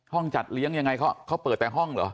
จัดเลี้ยงยังไงเขาเปิดแต่ห้องเหรอ